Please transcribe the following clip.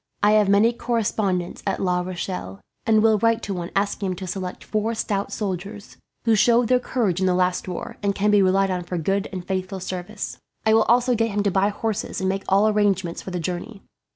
I have many correspondents at La Rochelle, and will write to one asking him to select four stout fellows, who showed their courage in the last war, and can be relied on for good and faithful service. I will also get him to buy horses, and make all arrangements for the journey.